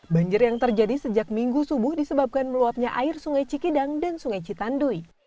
banjir yang terjadi sejak minggu subuh disebabkan meluapnya air sungai cikidang dan sungai citanduy